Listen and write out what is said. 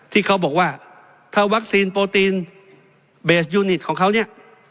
ที่เขาบอกว่าถ้าวัคซีนโปรตีนเบสยูนิตของเขาเนี่ย